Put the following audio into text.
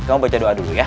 kamu baca doa dulu ya